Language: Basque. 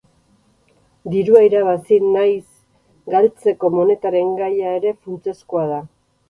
Dirua irabazi naiz galtzeko monetaren gaia ere funtsezkoa da.